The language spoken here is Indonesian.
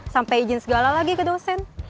sampai izin segala lagi ke dosen